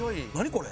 これ」